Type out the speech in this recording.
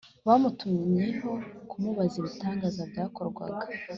bamutumyeho kumubaza ibitangaza byakorwaga